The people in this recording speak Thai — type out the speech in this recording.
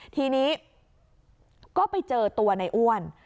ทีนี้ก็ไปเจอตัวในอ้วน